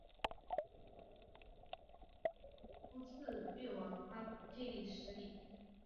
秃剌之子为越王阿剌忒纳失里。